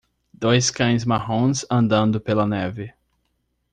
Dois cães marrons andando pela neve.